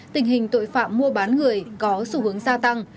tình hình tội phạm mua bán người có xu hướng gia tăng